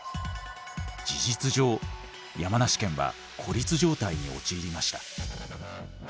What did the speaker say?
事実上山梨県は孤立状態に陥りました。